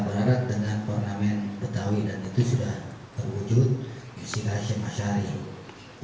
beradat dengan purnamen betawi dan itu sudah terwujud di siklasi masyari